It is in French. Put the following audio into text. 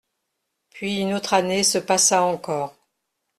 Puis une autre année se passa encore.